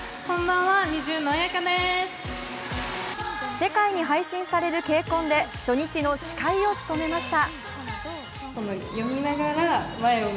世界に配信されるＫＣＯＮで初日の司会を務めました。